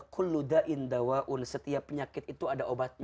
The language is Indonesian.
kuluda indawa un setia penyakit itu ada obatnya